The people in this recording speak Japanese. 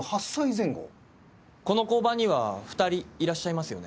この交番には２人いらっしゃいますよね。